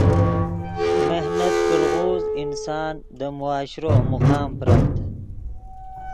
محنت کڑغوز انسان دے معاشرو مقام پرڤد